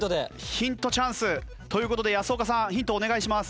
ヒントチャンス。という事で安岡さんヒントお願いします。